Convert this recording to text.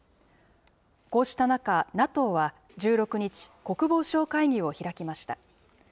こうした中、ＮＡＴＯは１６日、国防相会議を開きました。